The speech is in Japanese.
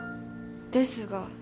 ですが。